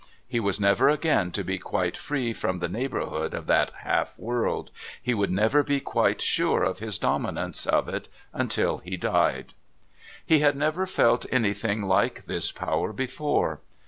He was never again to be quite free from the neighbourhood of that half world; he would never be quite sure of his dominance of it until he died. He had never felt anything like this power before.